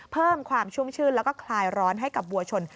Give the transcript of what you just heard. เพิ่มความชุ่มชื่นแล้วก็คลายร้อนให้กับบัวชน